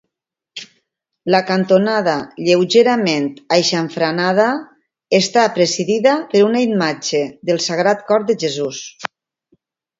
La cantonada, lleugerament aixamfranada, està presidida per una imatge del Sagrat Cort de Jesús.